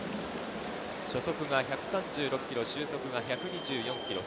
初速１３６キロ、終速１２４キロ。